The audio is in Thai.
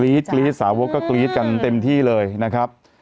กรี๊ดสาวกก็กรี๊ดกันเต็มที่เลยนะครับ